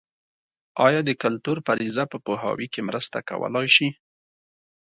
ایا د کلتور فرضیه په پوهاوي کې مرسته کولای شي؟